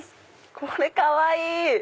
これかわいい！